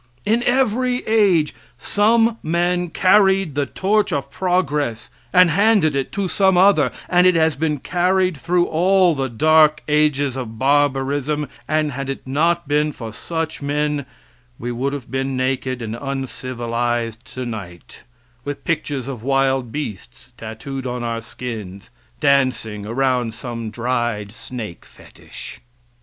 In every age some men carried the torch of progress and handed it to some other, and it has been carried through all the dark ages of barbarism, and had it not been for such men we would have been naked and uncivilized tonight, with pictures of wild beasts tattooed on our skins, dancing around some dried snake fetish.